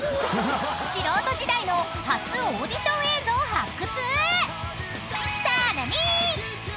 ［素人時代の初オーディション映像発掘！］